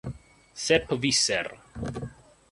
Sep Visser